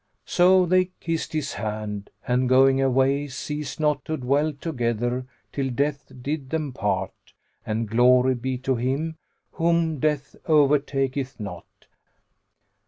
So they kissed his hand and going away, ceased not to dwell together, till death did them part; and glory be to Him whom death over taketh not!